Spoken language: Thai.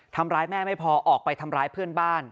ทำร้ายแม่ไม่พอออกไปทำร้ายเพื่อนบ้าน